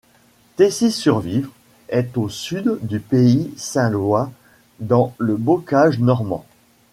Tessy-sur-Vire est au sud du Pays saint-lois, dans le bocage normand.